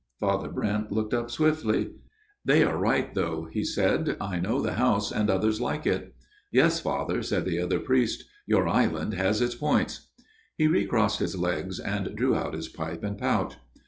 Father Brent looked up swiftly. " They are right though," he said. " I know the house and others like it." " Yes, Father," said the other priest. " Your island has its points." He recrossed his legs and drew out his pipe and pouch.